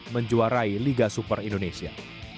menjuarai liga super indonesia